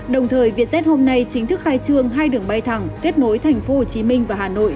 đồng thời vietjet hôm nay chính thức khai trương hai đường bay thẳng kết nối thành phố hồ chí minh và hà nội